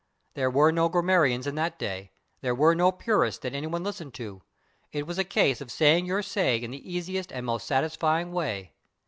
There were no grammarians in that day; there were no purists that anyone listened to; it was a case of saying your say in the easiest and most satisfying way.